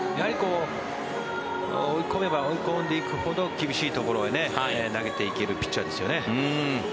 追い込めば追い込んでいくほど厳しいところへ投げていけるピッチャーですよね。